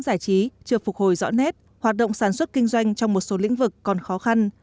giải trí chưa phục hồi rõ nét hoạt động sản xuất kinh doanh trong một số lĩnh vực còn khó khăn